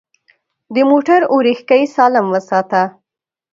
د موټر اورېښکۍ سالم وساته.